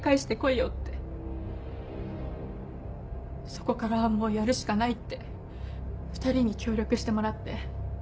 そこからはもうやるしかないって２人に協力してもらって。